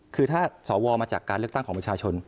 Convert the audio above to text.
คือถ้าสวมาจากการเลือกตั้งของประชาชน